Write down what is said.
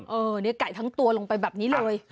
เนี่ยไก่ทั้งตัวลงไปแบบนี้เลย